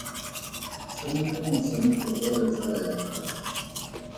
Tshameka motshameko o le tsala ya gago.